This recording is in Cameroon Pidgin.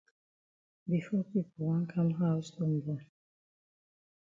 Before pipo wan kam haus don bon.